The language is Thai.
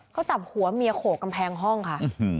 เขาจับหัวเมียโขกกำแพงห้องค่ะ